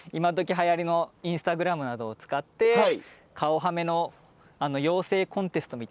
はやりのインスタグラムなどを使って顔ハメの妖精コンテストみたいな。